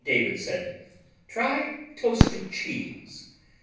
David said, "Try toasted cheese.